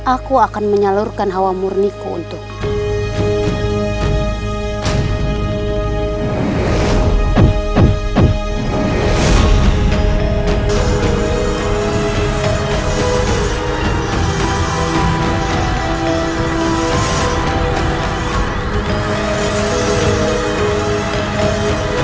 aku akan menyalurkan hawa murniku untukmu